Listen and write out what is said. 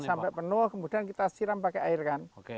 sampai penuh kemudian kita siram pakai air kan